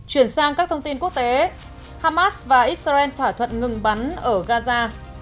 hàm ác và israel thỏa thuận ngừng bắn ở gaza